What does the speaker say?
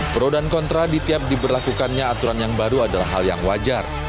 pro dan kontra di tiap diberlakukannya aturan yang baru adalah hal yang wajar